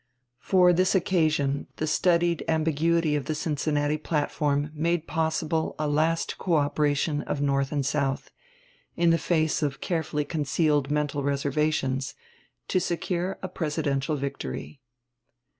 For this occasion the studied ambiguity of the Cincinnati platform made possible a last coöperation of North and South, in the face of carefully concealed mental reservations, to secure a presidential victory.